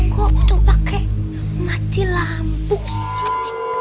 kok tuh pakai mati lampu sih